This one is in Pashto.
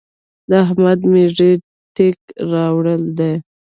د احمد مېږي تېک راوړی دی.